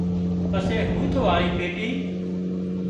پسي هوٿ واۯي پيٽي